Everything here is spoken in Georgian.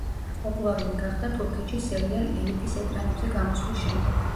პოპულარული გახდა თურქეთში სერიალ „ელიფის“ ეკრანებზე გამოსვლის შემდეგ.